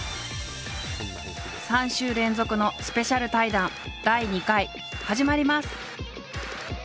３週連続のスペシャル対談第２回始まります！